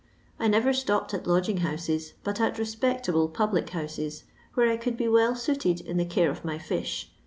I never stopped at lodging houies, but at respectable pnblie bottses, where I could be well suited in the care of my fish.